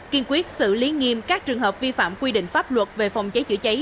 kiên quyết xử lý nghiêm các trường hợp vi phạm quy định pháp luật về phòng cháy chữa cháy